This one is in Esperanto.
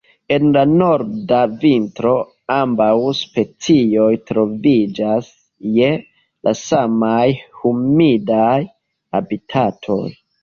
En la norda vintro, ambaŭ specioj troviĝas je la samaj humidaj habitatoj.